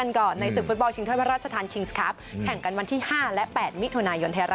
อันนี้ยืนยันว่าโคสโตย์ทำทีแน่นอน